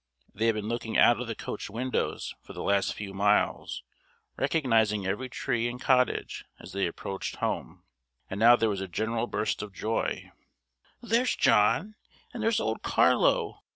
They had been looking out of the coach windows for the last few miles, recognising every tree and cottage as they approached home, and now there was a general burst of joy "There's John! and there's old Carlo!